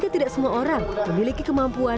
hal ini membuat jubah tersebut menjadi suatu kemampuan